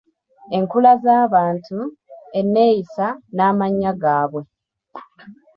Enkula z’abantu, enneeyisa n’amannya gaabwe.